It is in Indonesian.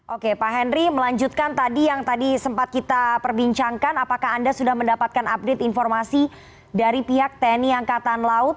oke pak henry melanjutkan tadi yang tadi sempat kita perbincangkan apakah anda sudah mendapatkan update informasi dari pihak tni angkatan laut